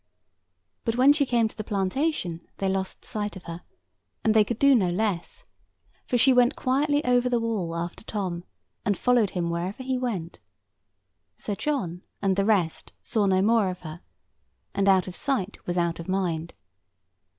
But when she came to the plantation, they lost sight of her; and they could do no less. For she went quietly over the wall after Tom, and followed him wherever he went. Sir John and the rest saw no more of her; and out of sight was out of mind.